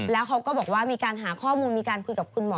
แล้วเขาก็บอกว่ามีการหาข้อมูลมีการคุยกับคุณหมอ